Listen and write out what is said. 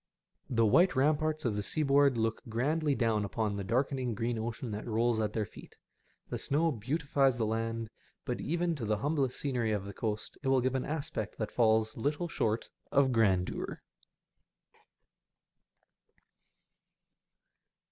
The white ramparts of the seaboard look grandly down upon the dark green ocean that rolls at their feet. The snow beautifies the land ; but even to the humblest scenery of the coast it will give au aspect that falls little short of grandeur.